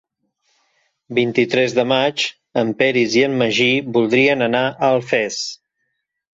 El vint-i-tres de maig en Peris i en Magí voldrien anar a Alfés.